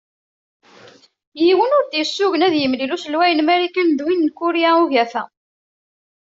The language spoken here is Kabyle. Yiwen ur d- yessugen ad yemlil uselway n Marikan d win n Kurya Ugafa.